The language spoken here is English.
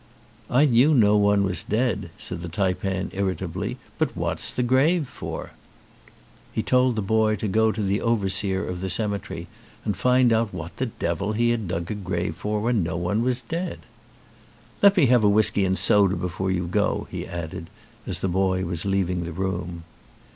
"I knew no one was dead," said the taipan irri tably. "But what's the grave for?" He told the boy to go to the overseer of the cemetery and find out what the devil he had dug a grave for when no one was dead. "Let me have a whisky and soda before you go," he added, as the boy was leaving the room.